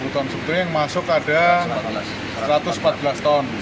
tujuh puluh ton sebenarnya yang masuk ada satu ratus empat belas ton